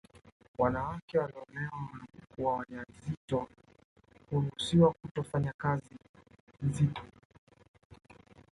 Wanawake walioolewa wanapokuwa waja wazito huruhusiwa kutofanya kazi nzito